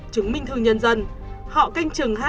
chứng minh thư nhân dân họ canh chừng